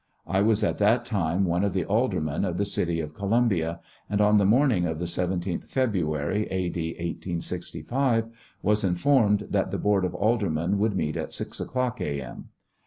I was at that time one of the Aldermen of the City of Columbia, and on the morning of the 17th February, A. D. 1865, was informed that the B/iard of Aldermen would meet at 6 o'clock, A. M.